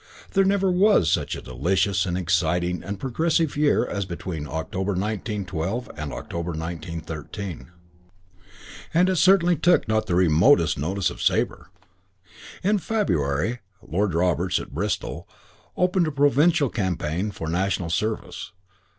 There never was such a delicious and exciting and progressive year as between October, 1912, and October, 1913. And it certainly took not the remotest notice of Sabre. In February, Lord Roberts, at Bristol, opened a provincial campaign for National Service.